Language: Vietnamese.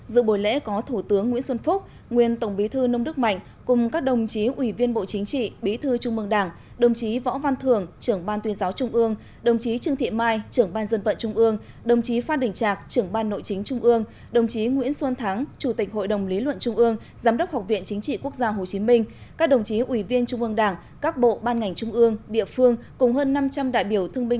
giữa bồi lễ có thủ tướng nguyễn xuân phúc nguyên tổng bí thư nông đức mạnh cùng các đồng chí ủy viên bộ chính trị bí thư trung mương đảng đồng chí võ văn thường trưởng ban tuyên giáo trung ương đồng chí trương thị mai trưởng ban dân vận trung ương đồng chí phát đình trạc trưởng ban nội chính trung ương đồng chí nguyễn xuân thắng chủ tịch hội đồng lý luận trung ương giám đốc học viện chính trị quốc gia hồ chí minh các đồng chí ủy viên trung mương đảng các bộ ban ngành trung ương địa phương cùng hơn năm trăm linh đại biểu thương bin